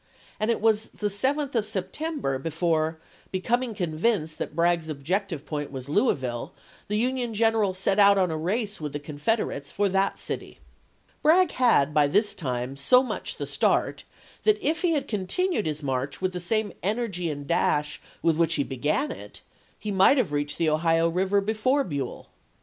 and it was the 7th of September before, becoming convinced that Bragg's objective point was Louis ville, the Union general set out on a race with the Confederates for that city. Bragg had by this time so much the start that if he had continued his march with the same energy and dash with which he began it, he might have reached the Ohio Eiver before Buell.